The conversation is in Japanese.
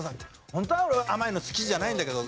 本当は俺甘いの好きじゃないんだけど。